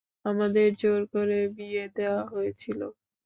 আমাদের জোর করে বিয়ে দেয়া হয়েছিল।